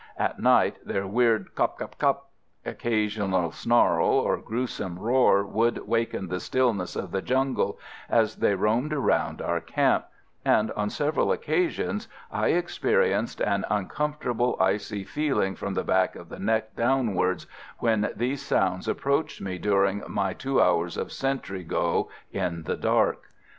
At night their weird "cop! cop! cop!" occasional snarl, or gruesome roar would waken the stillness of the jungle, as they roamed around our camp; and on several occasions I experienced an uncomfortable icy feeling from the back of the neck downwards when these sounds approached me during my two hours of sentry go in the dark.